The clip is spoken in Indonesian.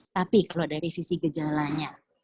tapi kalau dari sisi gejalanya